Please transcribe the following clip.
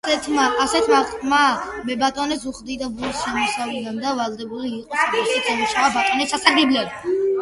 ასეთი ყმა მებატონეს უხდიდა ფულს შემოსავლიდან და ვალდებული იყო სოფელშიც ემუშავა ბატონის სასარგებლოდ.